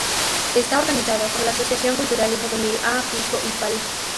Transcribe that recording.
Está organizado por la Asociación cultural y juvenil A Pico y Pala.